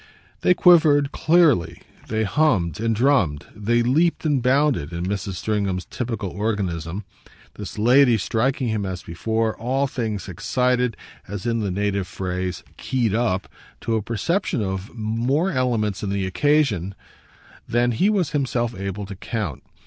They quivered, clearly, they hummed and drummed, they leaped and bounded in Mrs. Stringham's typical organism this lady striking him as before all things excited, as, in the native phrase, keyed up, to a perception of more elements in the occasion than he was himself able to count.